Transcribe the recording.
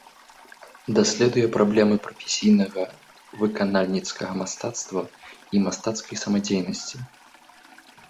Даследуе праблемы прафесійнага выканальніцкага мастацтва і мастацкай самадзейнасці.